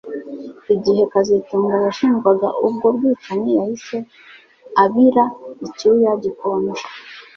Igihe kazitunga yashinjwaga ubwo bwicanyi yahise abira icyuya gikonje